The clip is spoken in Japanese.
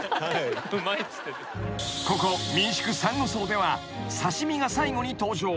［ここ民宿さんご荘では刺し身が最後に登場］